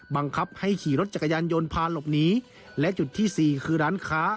บังคับให้ขี่รถจักรยานยนต์พาหลบหนีและจุดที่สี่คือร้านค้า